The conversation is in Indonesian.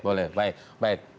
boleh baik baik